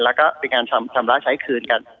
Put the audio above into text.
แล้วก็เป็นการชำระใช้คืนกัน